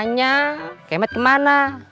nanya kemet kemana